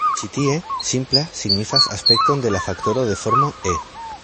Ĉi tie, 'simpla' signifas aspekton de la faktoro de formo "e".